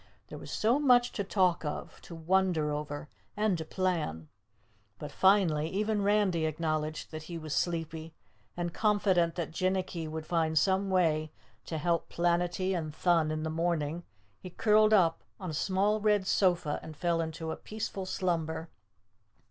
There was so much to talk of, to wonder over and to plan. But finally, even Randy acknowledged that he was sleepy, and confident that Jinnicky would find some way to help Planetty and Thun in the morning, he curled up on a small red sofa and fell into a peaceful slumber.